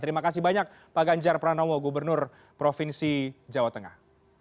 terima kasih banyak pak ganjar pranowo gubernur provinsi jawa tengah